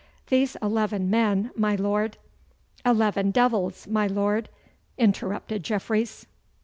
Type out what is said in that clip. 'These eleven men, my Lord ' 'Eleven devils, my Lord,' interrupted Jeffreys.